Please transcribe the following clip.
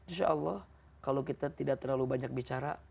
insya'allah kalau kita tidak terlalu banyak bicara